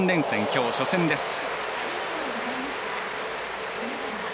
きょう初戦です。